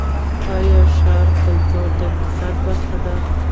آیا ښاري کلتور د اقتصاد برخه ده؟